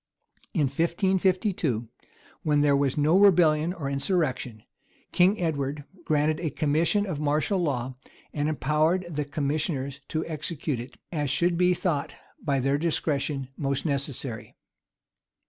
In 1552, when there was no rebellion or insurrection, King Edward granted a commission of martial law; and empowered the commissioners to execute it, "as should be thought by their discretions most necessary."